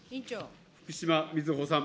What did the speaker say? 福島みずほさん。